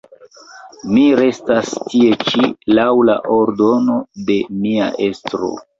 Mi restas tie ĉi laŭ la ordono de mia estro.